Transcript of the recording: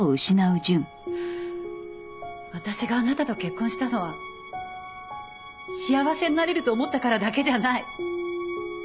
私があなたと結婚したのは幸せになれると思ったからだけじゃない。